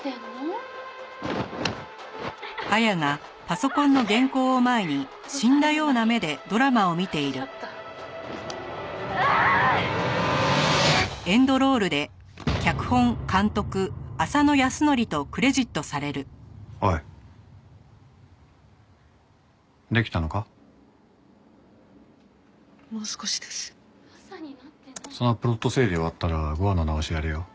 そのプロット整理終わったら５話の直しやれよ。